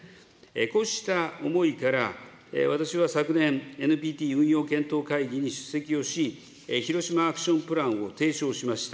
こうした思いから私は昨年、ＮＰＴ運用検討会議に出席をし、ヒロシマ・アクション・プランを提唱しました。